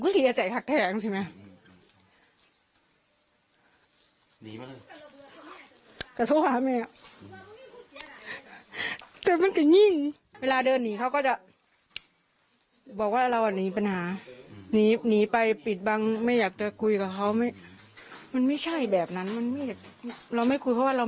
เราก็ไม่อยากหวัดถึงเออโหน้วกัน